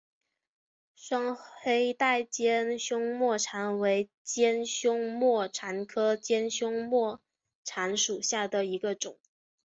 双黑带尖胸沫蝉为尖胸沫蝉科尖胸沫蝉属下的一个种。